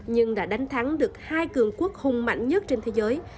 nhưng đã đánh thắng được hai cường quốc hùng mạnh nhất trên thế giới